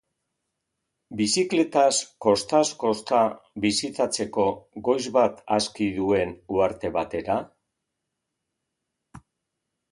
Bizikletaz kostaz-kosta bisitatzeko goiz bat aski duen uharte batera?